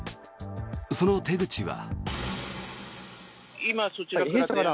その手口は。